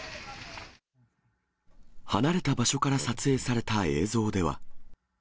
離れた場所から撮影された映像では。